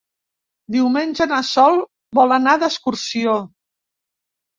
Diumenge na Sol vol anar d'excursió.